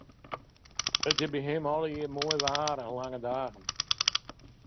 It is by him allegearre moai waar en lange dagen.